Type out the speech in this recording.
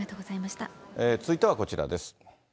続いてはこちらです。